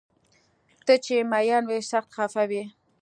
ته چې مین وي سخت خفه وي